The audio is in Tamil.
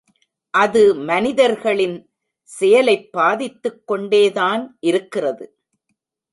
அது மனிதர்களின் செயலைப் பாதித்துக் கொண்டே தான் இருக்கிறது.